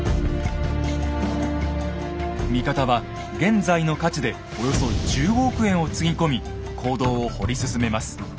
味方は現在の価値でおよそ１５億円をつぎ込み坑道を掘り進めます。